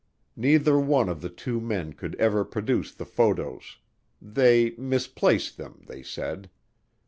Neither one of the two men could ever produce the photos. They "misplaced" them, they said.